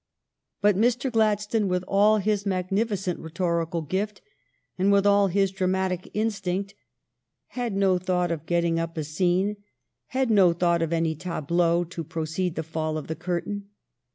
But Mr. Gladstone, with all his magnificent rhetorical gift and with all his dra matic instinct, had no thought of getting up a scene, had no thought of any tableau to precede the fall of the curtain.